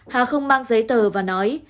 hà không mang giấy tờ và nói